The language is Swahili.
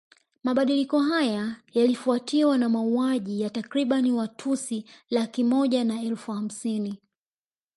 Mabadiliko haya yalifuatiwa na mauaji ya takriban Watutsi laki moja na elfu hamsini